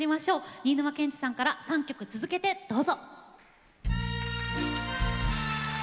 新沼謙治さんから３曲続けてどうぞ。